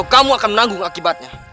kamu akan menanggung akibatnya